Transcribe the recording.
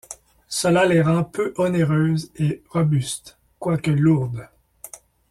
Cela les rend peu onéreuses et robustes, quoique lourdes.